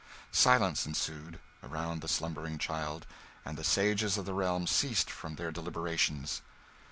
Silence ensued around the slumbering child, and the sages of the realm ceased from their deliberations.